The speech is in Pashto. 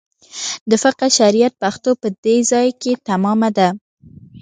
د فقه شریعت پښتو په دې ځای کې تمامه ده.